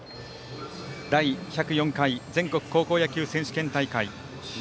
第１０４回全国高校野球選手権大会